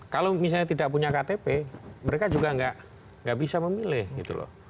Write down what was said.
kalau misalnya tidak punya ktp mereka juga nggak bisa memilih gitu loh